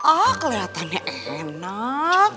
ah kelihatannya enak